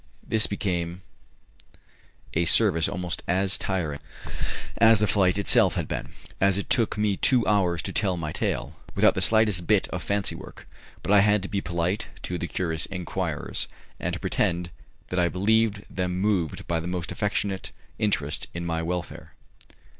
This became a service almost as tiring as the flight itself had been, as it took me two hours to tell my tale, without the slightest bit of fancy work; but I had to be polite to the curious enquirers, and to pretend that I believed them moved by the most affectionate interest in my welfare.